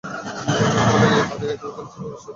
ঢলের এইপারের এক অভিযানে ছিলে নিশ্চয়ই।